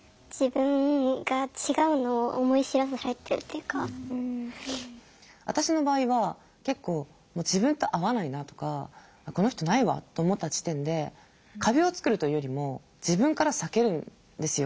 何か私の場合は結構もう自分と合わないなとかこの人ないわと思った時点で壁を作るというよりも自分から避けるんですよ。